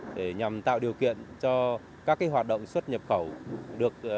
để nhằm tạo điều kiện cho các hoạt động xuất nhập khẩu được